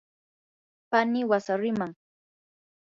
pani wasariman.